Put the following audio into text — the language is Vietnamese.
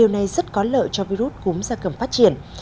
nó có lợi cho virus cúm gia cầm phát triển